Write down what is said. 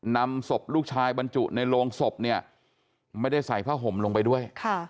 นำศพลูกชายบรรจุในโรงศพเนี่ยไม่ได้ใส่ผ้าห่มลงไปด้วย